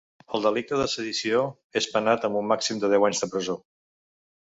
El delicte de sedició és penat amb un màxim de deu anys de presó.